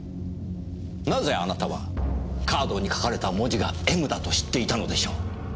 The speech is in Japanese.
なぜあなたはカードに書かれた文字が「Ｍ」だと知っていたのでしょう。